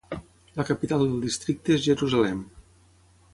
La capital del districte és Jerusalem.